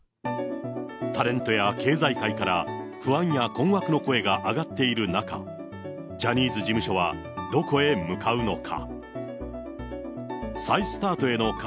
タレントや経済界から、不安や困惑の声が上がっている中、ジャニーズ事務所はどこへ向かうのか。